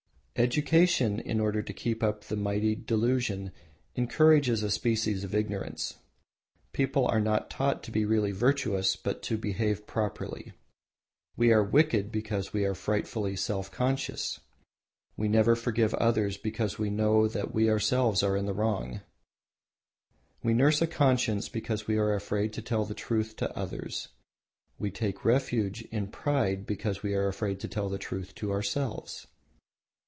Education, in order to keep up the mighty delusion, encourages a species of ignorance. People are not taught to be really virtuous, but to behave properly. We are wicked because we are frightfully self conscious. We nurse a conscience because we are afraid to tell the truth to others; we take refuge in pride because we are afraid to tell the truth to ourselves.